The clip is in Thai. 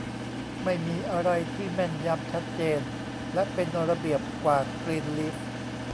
ไม่มีอะไรที่แม่นยำ ชัดเจนและเป็นระเบียบกว่ากรีนลีฟ